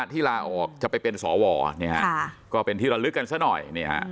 ลาออกจะไปเป็นสวก็เป็นที่ระลึกกันซะหน่อย